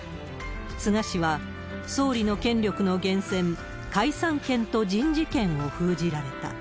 菅氏は、総理の権力の源泉、解散権と人事権を封じられた。